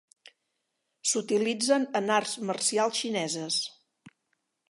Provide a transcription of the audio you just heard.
S'utilitzen en arts marcials xineses.